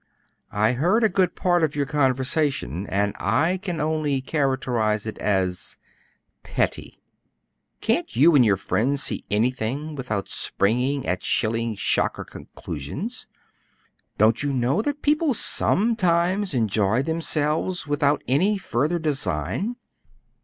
"I heard a good part of your conversation, and I can only characterize it as petty. Can't you and your friends see anything without springing at shilling shocker conclusions? Don't you know that people sometimes enjoy themselves without any further design?